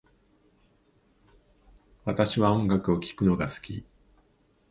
私は音楽を聴くのが好き